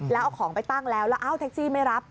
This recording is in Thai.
แล้วเอาของไปตั้งแล้วแล้วอ้าวแท็กซี่ไม่รับ